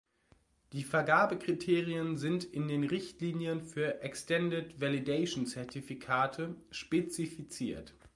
Die Vergabekriterien sind in den „Richtlinien für Extended-Validation-Zertifikate“ spezifiziert.